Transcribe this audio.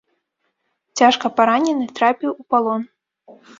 Цяжка паранены, трапіў у палон.